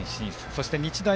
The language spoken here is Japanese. そして日大